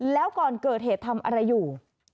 แล้วก่อนเกิดเหตุทำอะไรอยู่